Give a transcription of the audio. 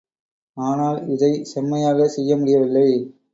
ஆனால், இதை செம்மையாக செய்ய முடியவில்லை.